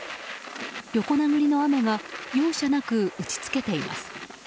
横殴りの雨が容赦なく打ち付けています。